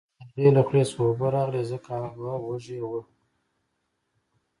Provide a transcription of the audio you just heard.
د هغې له خولې څخه اوبه راغلې ځکه هغه وږې وه